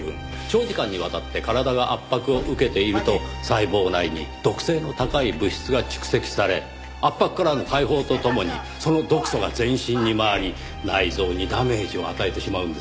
長時間にわたって体が圧迫を受けていると細胞内に毒性の高い物質が蓄積され圧迫からの解放とともにその毒素が全身に回り内臓にダメージを与えてしまうんですよ。